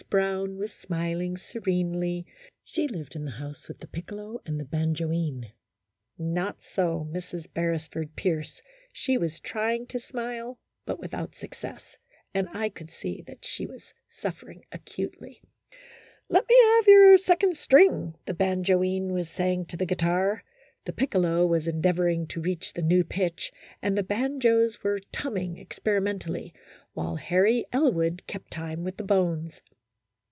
Brown was smiling serenely ; she lived in the house with the piccolo and the ban joine. Not so Mrs. Beresford Pierce ; she was trying to smile, but without success, and I could see that she was suffering acutely. " Let me have your second string," the banjoine was saying to the guitar. The piccolo was endeav oring to reach the new pitch, and the banjos were tumming experimentally, while Harry Elwood kept time with the bones.